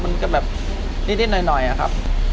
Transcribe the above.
มันก็แบบนิดหน่อยอะครับ